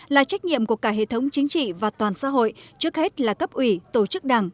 là trách nhiệm của cả hệ thống chính trị và toàn xã hội trước hết là cấp ủy tổ chức đảng